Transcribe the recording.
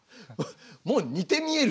もう似て見えるしね。